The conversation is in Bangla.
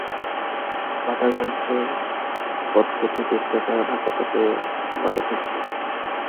মাদারগঞ্জের কটকটিবিক্রেতা ঢাকা থেকে বাড়ি ফিরছেন।